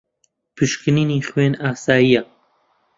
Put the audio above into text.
پشکنینی خوێن ئاسایییە.